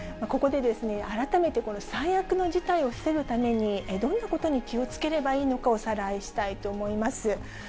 ここで改めてこの最悪の事態を防ぐためにどんなことに気をつければいいのかおさらいしたいと思います。